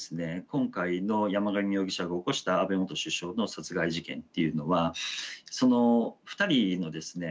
今回の山上容疑者が起こした安倍元首相の殺害事件っていうのはその２人のですね